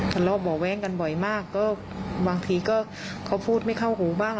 สันเลอบบ่แว้งกันบ่อยมากก็บางทีเค้าพูดไม่เข้าหัวบ้าง